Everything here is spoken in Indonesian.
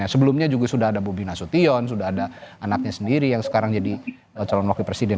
sebelumnya juga sudah ada bobi nasution sudah ada anaknya sendiri yang sekarang jadi calon wakil presiden